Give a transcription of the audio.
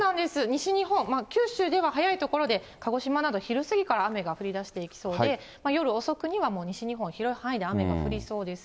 西日本、九州では早い所で、鹿児島など、昼過ぎから雨が降りだしていきそうで、夜遅くには、もう西日本、広い範囲で雨が降りそうです。